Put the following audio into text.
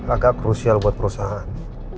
agak crucial buat perusahaan